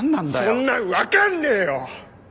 そんなん分かんねえよ！